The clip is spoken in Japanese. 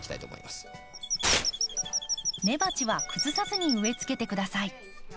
根鉢は崩さずに植えつけて下さい。